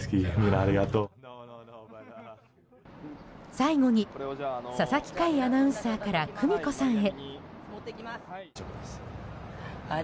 最後に佐々木快アナウンサーから久美子さんへ。